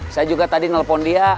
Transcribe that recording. saya juga tadi nelpon dia